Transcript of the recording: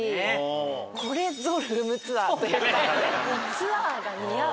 「ツアー」が似合う。